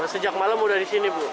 sejak malam udah disini bu